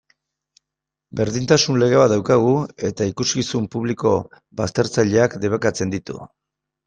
Berdintasun lege bat daukagu, eta ikuskizun publiko baztertzaileak debekatzen ditu.